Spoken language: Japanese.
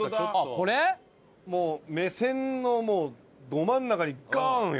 もう目線のど真ん中にガーンよ。